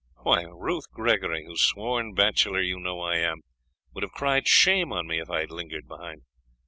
Why, Ruth Gregory, whose sworn bachelor you know I am, would have cried shame on me if I had lingered behind.